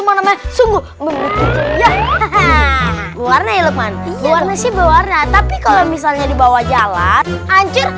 memang sungguh menghentikan warna warna sih berwarna tapi kalau misalnya dibawa jalan hancur